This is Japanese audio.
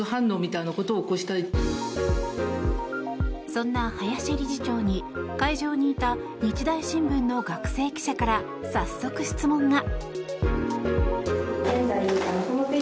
そんな林理事長に会場にいた日大新聞の学生記者から早速、質問が。